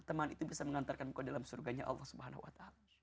teman itu bisa mengantarkan engkau dalam surganya allah swt